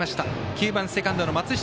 ９番、セカンドの松下。